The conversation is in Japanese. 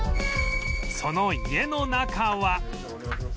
その家の中は